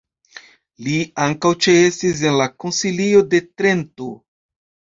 Li ankaŭ ĉeestis en la Konsilio de Trento.